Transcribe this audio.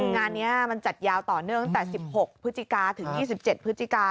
งานนี้มันจัดยาวต่อเนื่องตั้งแต่๑๖พฤศจิกาถึง๒๗พฤศจิกา